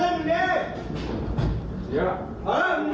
มีมีดต่อไปด้วย